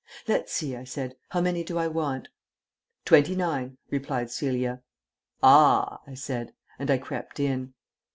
"Let's see," I said, "how many do I want?" "Twenty nine," replied Celia. "Ah," I said ... and I crept in.